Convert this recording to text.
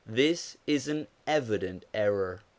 This is an evident error.